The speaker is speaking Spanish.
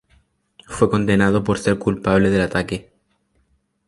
Fue condenado por ser culpable del ataque.